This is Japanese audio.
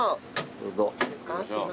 どうぞ。